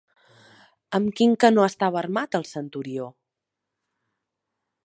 Amb quin canó estava armat el Centurió?